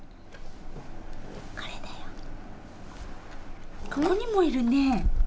これだよ、ここにもいるね。